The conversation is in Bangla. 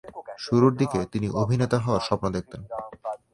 শুরুর দিকে তিনি অভিনেতা হবার স্বপ্ন দেখতেন।